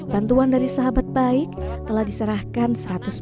bantuan dari sahabat baik telah diserahkan seratus persen